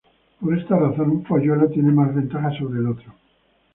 Por esta razón un polluelo tiene más ventaja sobre el otro.